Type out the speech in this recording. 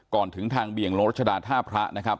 ก่อนถึงทางเบียงโรงรัชดาภาพระนะครับ